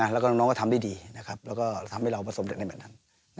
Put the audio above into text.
แล้วก็น้องก็ทำได้ดีแล้วก็ทำให้เราผสมเร็ในแบบนั้น